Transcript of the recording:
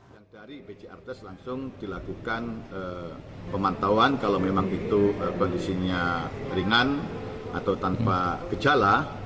yang dari pcr test langsung dilakukan pemantauan kalau memang itu kondisinya ringan atau tanpa gejala